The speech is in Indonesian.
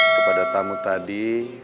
kepada tamu tadi